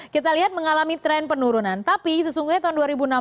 kita lihat mengalami tren penurunan tapi sesungguhnya tahun dua ribu enam belas